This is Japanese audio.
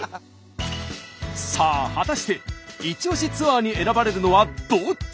さあ果たしてイチオシツアーに選ばれるのはどっち？